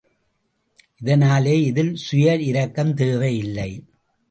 இதனாலே, இதில் சுய இரக்கம் தேவையில்லை.